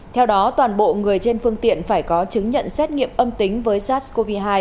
theo đó toàn bộ người trên phương tiện phải có chứng nhận xét nghiệm âm tính với sars cov hai